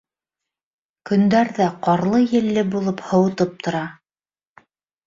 Көндәр ҙә ҡарлы-елле булып һыуытып тора.